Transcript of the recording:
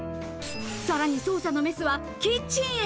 さらに捜査のメスはキッチンへ。